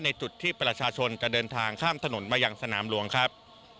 ในจุดที่ประชาชนจะเดินทางข้ามถนนมายังสนามหลวงครับ